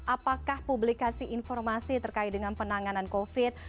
apakah publikasi informasi terkait dengan penanganan covid